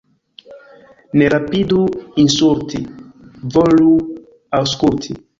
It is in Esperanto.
Ne rapidu insulti, volu aŭskulti.